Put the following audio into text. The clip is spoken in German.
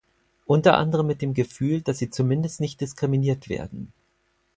Unter anderem mit dem Gefühl, dass sie zumindest nicht diskriminiert werden.